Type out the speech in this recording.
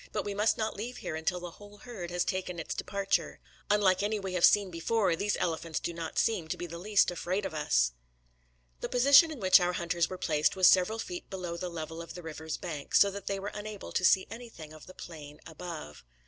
"But we must not leave here until the whole herd has taken its departure. Unlike any we have seen before, these elephants do not seem to be the least afraid of us." The position in which our hunters were placed was several feet below the level of the river's bank, so that they were unable to see anything of the plain above.